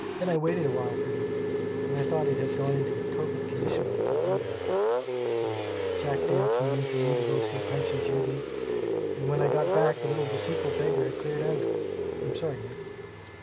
Then I waited a while for you, and I thought it had gone into a torpid condition like you read of, and Jack Dale came for me to go to see a Punch and Judy and when I got back the little deceitful beggar had cleared out! I'm awful sorry, Ned."